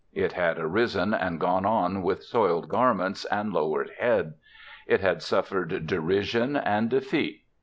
It had arisen and gone on with soiled garments and lowered head. It had suffered derision and defeat.